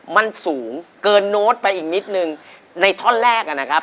มันสูงเกินโน้ตไปอีกนิดนึงในท่อนแรกนะครับ